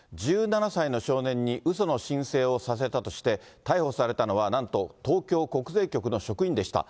１７歳の少年にうその申請をさせたとして、逮捕されたのは、なんと東京国税局の職員でした。